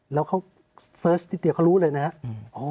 แล้วเขาเสิร์ชนิดเดียวเขารู้เลยนะครับ